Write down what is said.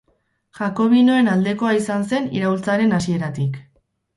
Jakobinoen aldekoa izan zen iraultzaren hasieratik.